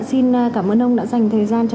xin cảm ơn ông đã dành thời gian cho